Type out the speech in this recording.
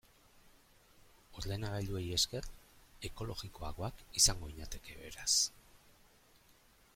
Ordenagailuei esker, ekologikoagoak izango ginateke, beraz.